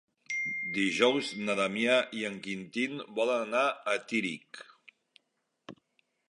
Dijous na Damià i en Quintí volen anar a Tírig.